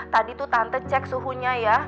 tadi tuh tante cek suhunya ya